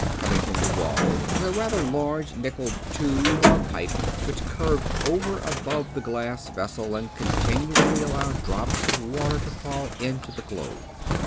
Coming from the wall was a rather large nickeled tube or pipe which curved over above the glass vessel, and continually allowed drops of water to fall into the globe.